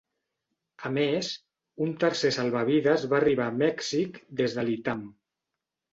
A més, un tercer salvavides va arribar a "Mèxic" des de Lytham.